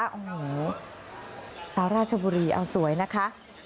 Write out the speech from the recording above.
โอ้โหสาวราชบุรีเอาสวยนะคะ